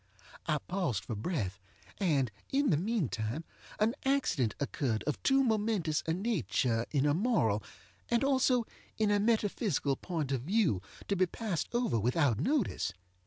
I paused for breath; and, in the meantime, an accident occurred of too momentous a nature in a moral, and also in a metaphysical point of view, to be passed over without notice.